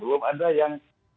belum ada yang